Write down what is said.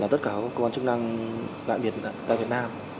tất cả các cơ quan chức năng đặc biệt tại việt nam